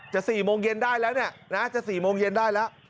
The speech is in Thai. จะ๔โมงเย็นได้แล้ว